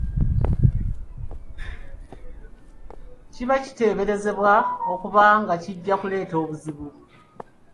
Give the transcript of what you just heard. Kiba kiteeberezebwa okuba nga kijja kuleeta obuzibu.